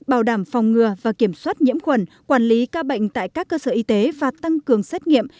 bảo đảm phòng ngừa và kiểm soát nhiễm khuẩn quản lý ca bệnh tại các cơ sở y tế và tăng cường xét nghiệm